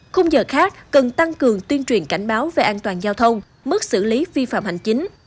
khung giờ khác cần tăng cường tuyên truyền cảnh báo về an toàn giao thông mức xử lý vi phạm hành chính